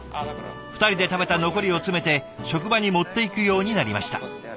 ２人で食べた残りを詰めて職場に持っていくようになりました。